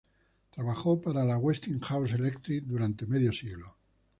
Trabajó para la Westinghouse Electric durante medio siglo.